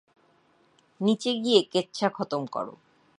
নিচে গিয়ে কেচ্ছা খতম করো।